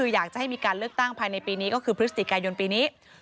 อยากจะให้มีการเลือกตั้งภายในปีนี้ก็คือพฤศจิกายนปีนี้